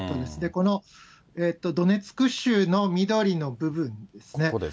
このドネツク州の緑の部分ですね。